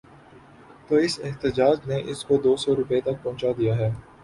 تو اس احتجاج نے اس کو دوسو روپے تک پہنچا دیا ہے۔